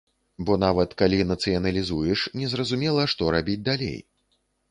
Бо нават калі нацыяналізуеш, незразумела, што рабіць далей.